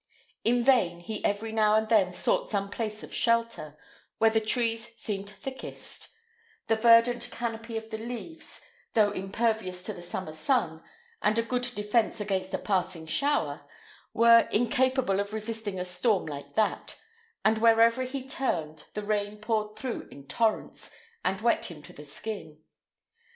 In vain he every now and then sought some place of shelter, where the trees seemed thickest; the verdant canopy of the leaves, though impervious to the summer sun, and a good defence against a passing shower, were incapable of resisting a storm like that, and wherever he turned the rain poured through in torrents, and wet him to the skin.